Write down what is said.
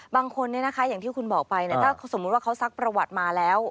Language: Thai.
บางคนอย่างที่คุณบอกไปถ้าสมมุติว่าเขาซักประวัติมาแล้ว